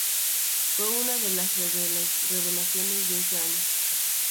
Fue una de las revelaciones de ese año.